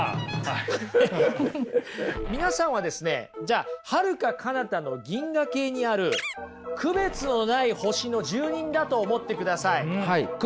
皆さんはですねじゃあはるか彼方の銀河系にある区別のない星の住民だと思ってください。